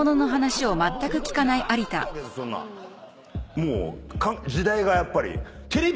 「もう時代がやっぱり」